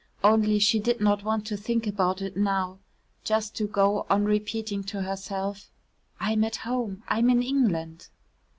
Only she did not want to think about it now. Just to go on repeating to herself: "I'm at home. I'm in England."